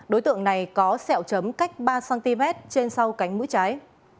đối tượng này có sẹo chấm cách ba cm trên sau cánh mũi trái